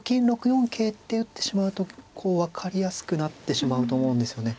６四桂って打ってしまうと分かりやすくなってしまうと思うんですよね。